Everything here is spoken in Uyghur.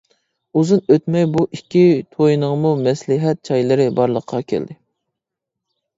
ئۇزۇن ئۆتمەي بۇ ئىككى توينىڭمۇ مەسلىھەت چايلىرى بارلىققا كەلدى.